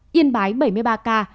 yên bái bảy mươi ba ca